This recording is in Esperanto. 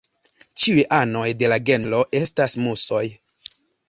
Ĉiuj anoj de la genro estas musoj.